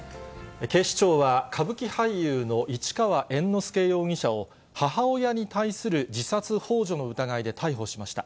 警視庁は歌舞伎俳優の市川猿之助容疑者を、母親に対する自殺ほう助の疑いで逮捕しました。